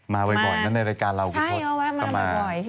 มาไว้บ่อยในรายการเราคุณพจน์ก็มา